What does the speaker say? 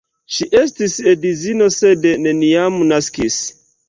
Ŝi estis edzino, sed neniam naskis.